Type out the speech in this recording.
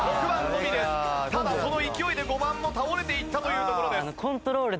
ただその勢いで５番も倒れていったというところです。